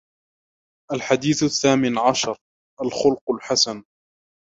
الحديث الثامن عشر: الخلق الحسن